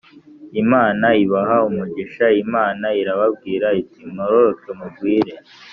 Imana ibaha umugisha, Imana irababwira iti “Mwororoke mugwire